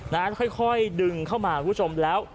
แล้วค่อยดึงเข้ามาครับสมแล้ว